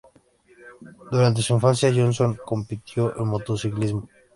Durante su infancia, Johnson compitió en motociclismo.